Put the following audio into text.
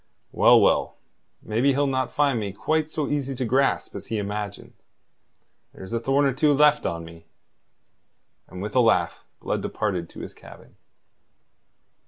"Well, well, maybe he'll not find me quite so easy to grasp as he imagines. There's a thorn or two left on me." And with a laugh Blood departed to his cabin.